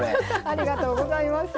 ありがとうございます。